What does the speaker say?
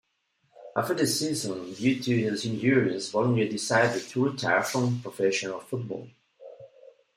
After the season, due to his injuries Bollinger decided to retire from professional football.